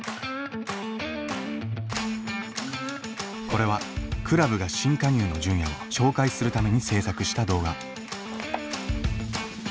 これはクラブが新加入の純也を紹介するために制作した動画。